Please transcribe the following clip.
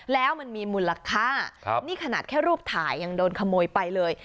แล้วมันมีมูลค่านี่ขนาดแค่รูปถ่ายยังโดนขโมยไปเลย